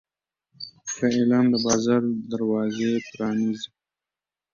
ښه اعلان د بازار دروازې پرانیزي.